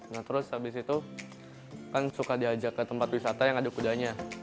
nah terus habis itu kan suka diajak ke tempat wisata yang ada kudanya